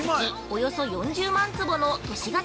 およそ４０万坪の都市型